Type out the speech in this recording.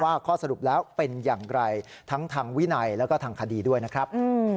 ข้อสรุปแล้วเป็นอย่างไรทั้งทางวินัยแล้วก็ทางคดีด้วยนะครับ